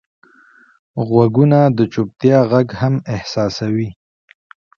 غوږونه د چوپتیا غږ هم احساسوي